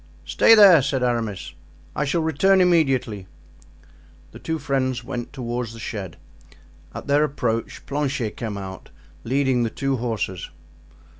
"Stay there," said Aramis; "I shall return immediately." The two friends went toward the shed. At their approach Planchet came out leading the two horses.